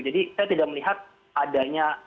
jadi saya tidak melihat adanya